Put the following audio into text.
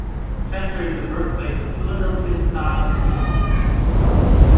Chester is the birthplace of Philadelphia-style cream cheese.